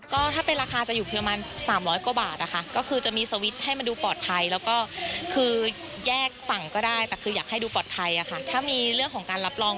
ก็ถ้าเป็นราคาจะอยู่เพียงประมาณ๓๐๐กว่าบาทอ่ะค่ะ